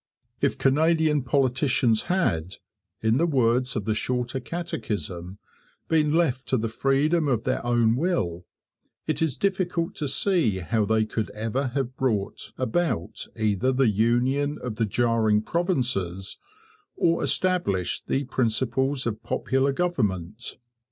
If Canadian politicians had, in the words of the Shorter Catechism, been left to the freedom of their own will, it is difficult to see how they could ever have brought about either the union of the jarring provinces, or established the principles of popular government.